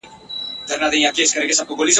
د بازانو پرې یرغل وي موږ پردي یو له خپل ځانه !.